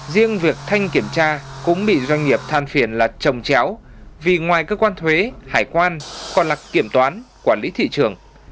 riêng việc thanh kiểm tra cũng bị doanh nghiệp than phiền là trồng chéo vì ngoài cơ quan thuế hải quan còn là kiểm toán quản lý thị trường